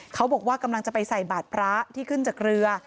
เขาบอกว่ากำลังจะไปใส่บาทพระที่ขึ้นจากเรือ